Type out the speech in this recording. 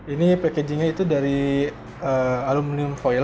ini packaging nya itu dari aluminium foil